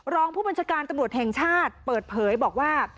รองผู้บัญชาการตำรวจแห่งชาติเปิดเผยบอกว่า